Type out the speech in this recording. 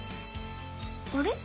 あれ？